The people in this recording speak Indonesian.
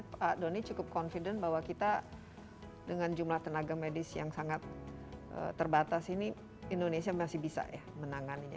pak doni cukup confident bahwa kita dengan jumlah tenaga medis yang sangat terbatas ini indonesia masih bisa ya menanganinya